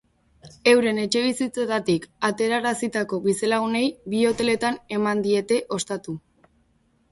Euren etxebizitzetatik aterarazitako bizilagunei bi hoteletan eman diete ostatu.